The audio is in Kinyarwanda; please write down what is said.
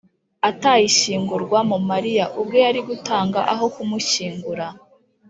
atayishyingurwamo, [mariya] ubwe yari gutanga aho kumushyingura